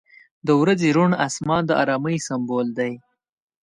• د ورځې روڼ آسمان د آرامۍ سمبول دی.